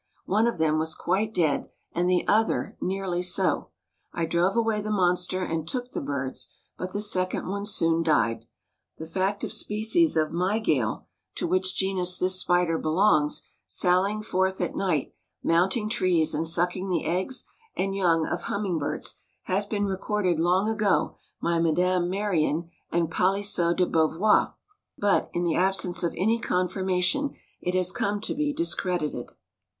One of them was quite dead, and the other nearly so. I drove away the monster, and took the birds, but the second one soon died. The fact of species of Mygale, to which genus this spider belongs, sallying forth at night, mounting trees, and sucking the eggs and young of hummingbirds, has been recorded long ago by Madame Merian and Palisot de Beauvois; but, in the absence of any confirmation, it has come to be discredited.